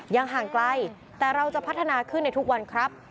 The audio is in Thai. ห่างไกลแต่เราจะพัฒนาขึ้นในทุกวันครับ